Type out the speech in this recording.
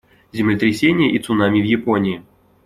Землетрясение и цунами в Японии.